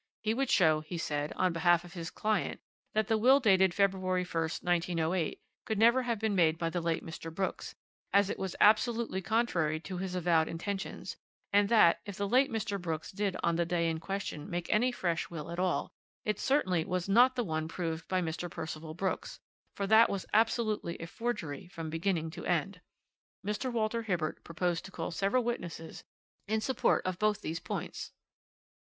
He would show, he said, on behalf of his client, that the will dated February 1st, 1908, could never have been made by the late Mr. Brooks, as it was absolutely contrary to his avowed intentions, and that if the late Mr. Brooks did on the day in question make any fresh will at all, it certainly was not the one proved by Mr. Percival Brooks, for that was absolutely a forgery from beginning to end. Mr. Walter Hibbert proposed to call several witnesses in support of both these points.